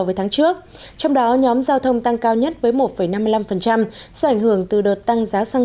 với tháng trước trong đó nhóm giao thông tăng cao nhất với một năm mươi năm do ảnh hưởng từ đợt tăng giá xăng